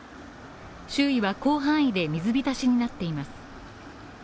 周囲は広範囲で水びたしになっています。